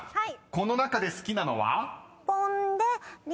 この中で好きなのは？］